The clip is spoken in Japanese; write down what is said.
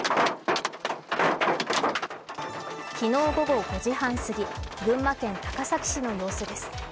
昨日午後５時半すぎ、群馬県高崎市の様子です。